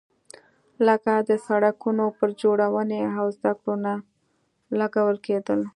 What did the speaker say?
لکه د سړکونو پر جوړونې او زده کړو نه لګول کېدل.